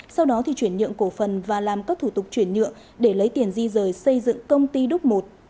sau đó thì chuyển nhượng cổ phần và làm các thủ tục chuyển nhượng để lấy tiền di rời xây dựng công ty đúc một